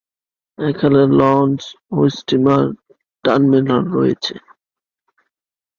এখানে লঞ্চ ও steamer terminal রয়েছে।